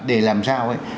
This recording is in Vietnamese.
để làm sao